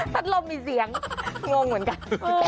ลมมีเสียงงงเหมือนกัน